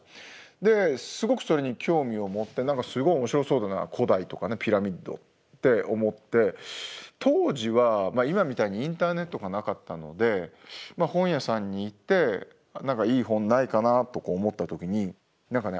ですごくそれに興味を持ってすごい面白そうだな古代とかねピラミッドって思って当時は今みたいにインターネットがなかったので本屋さんに行って何かいい本ないかなと思った時に何かね